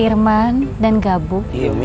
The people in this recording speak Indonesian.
irman dan gabu